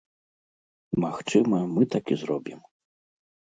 Магчыма, мы так і зробім.